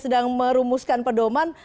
sedang merumuskan perdoman